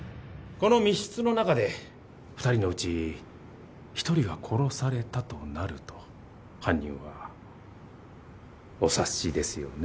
この密室の中で２人のうち１人が殺されたとなると犯人はお察しですよね。